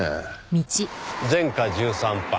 前科１３犯。